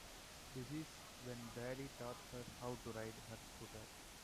This is when daddy taught her how to ride her scooter.